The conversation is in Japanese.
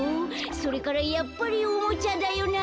それからやっぱりおもちゃだよな」。